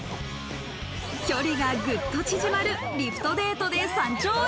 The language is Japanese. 距離がグッと縮まるリフトデートで山頂へ。